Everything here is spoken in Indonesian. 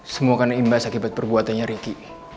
semua karena imbas akibat perbuatannya ricky